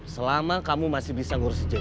selama kamu masih bisa ngurusin j wall